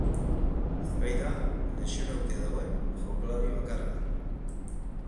Ibai da lesionatuta dagoen jokalari bakarra.